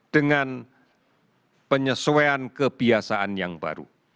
dengan penyesuaian kebiasaan yang baru